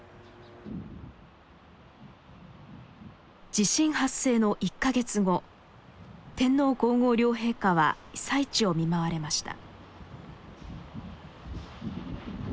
地震発生の１か月後天皇皇后両陛下は被災地を見舞われました。